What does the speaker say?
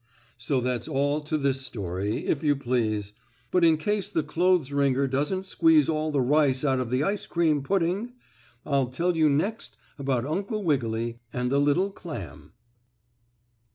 So that's all to this story, if you please, but in case the clothes wringer doesn't squeeze all the rice out of the ice cream pudding, I'll tell you next about Uncle Wiggily and the little clam.